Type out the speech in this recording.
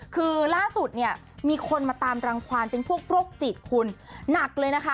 คือล่าสุดเนี่ยมีคนมาตามรังความเป็นพวกโรคจิตคุณหนักเลยนะคะ